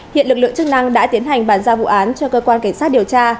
hiện lực lượng chức năng đã tiến hành bán ra vụ án cho cơ quan cảnh sát điều tra